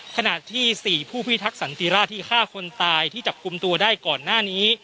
ขณะที่สี่ผู้พิทักษ์สันติราชินทร์ที่ฆ่าคนท้ายที่จับคุมตัวได้ก่อนหน้านี้